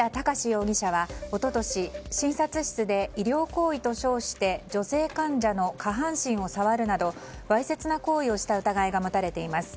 容疑者は一昨年、診察室で医療行為と称して女性患者の下半身を触るなどわいせつな行為をした疑いが持たれています。